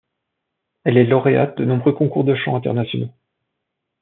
Elle est lauréate de nombreux concours de chant internationaux.